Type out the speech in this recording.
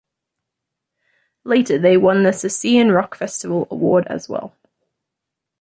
Later they won the "Sisian Rock Festival" award as well.